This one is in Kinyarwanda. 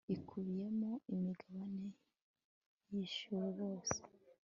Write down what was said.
ikubiyemo imigabane yishyuwe yose